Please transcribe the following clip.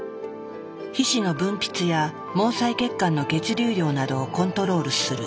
皮脂の分泌や毛細血管の血流量などをコントロールする。